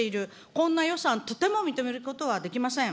こんな予算、とても認めることはできません。